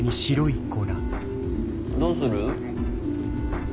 どうする？